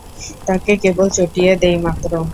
তাঁকে কেবল চটিয়ে দেয় মাত্র।